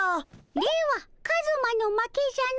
ではカズマの負けじゃの。